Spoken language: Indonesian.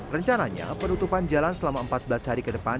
rencananya penutupan jalan selama empat belas hari ke depan